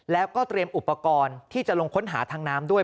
แล้วก็เตรียมอุปกรณ์ที่จะลงค้นหาทางน้ำด้วย